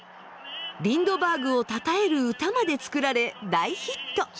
リンドバーグをたたえる歌まで作られ大ヒット。